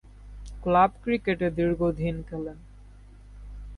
Club ক্রিকেটে দীর্ঘদিন খেলেন।